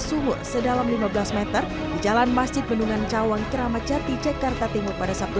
sumur sedalam lima belas m di jalan masjid bendungan cawang keramat jati jakarta timur pada sabtu